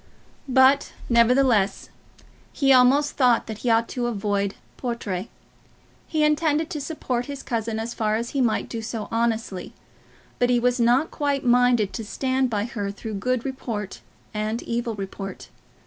But, nevertheless, he almost thought that he ought to avoid Portray. He intended to support his cousin as far as he might do so honestly; but he was not quite minded to stand by her through good report and evil report.